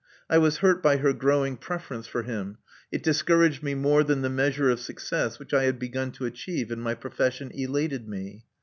I was hurt by her growing preference for him : it discouraged me more than the measure of success which I had begun to achieve in my profession elated me.